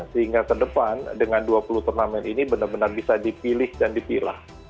sehingga ke depan dengan dua puluh turnamen ini benar benar bisa dipilih dan dipilah